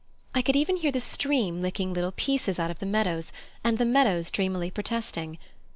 I could even hear the stream licking little pieces out of the meadows, and the meadows dreamily protesting.